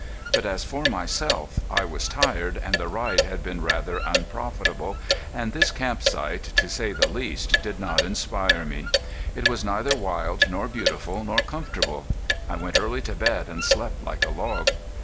But as for myself I was tired, and the ride had been rather unprofitable, and this camp site, to say the least, did not inspire me. It was neither wild nor beautiful nor comfortable. I went early to bed and slept like a log.